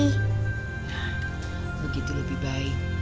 nah begitu lebih baik